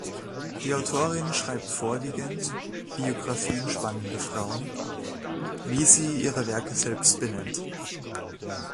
Die Autorin schreibt vorwiegend „Biografien spannender Frauen“, wie sie ihre Werke selbst benennt.